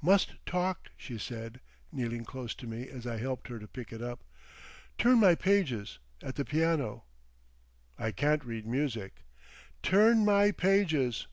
"Must talk," she said, kneeling close to me as I helped her to pick it up. "Turn my pages. At the piano." "I can't read music." "Turn my pages."